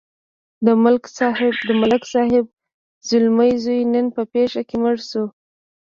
د ملک صاحب زلمی زوی نن په پېښه کې مړ شو.